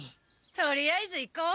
とりあえず行こう。